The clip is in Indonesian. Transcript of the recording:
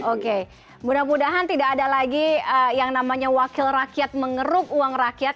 oke mudah mudahan tidak ada lagi yang namanya wakil rakyat mengeruk uang rakyat